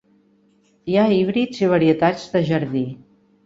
Hi ha híbrids i varietats de jardí.